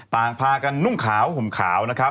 พากันนุ่งขาวห่มขาวนะครับ